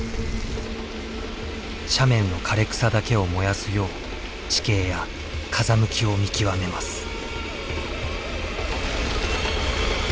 斜面の枯れ草だけを燃やすよう地形や風向きを見極めます。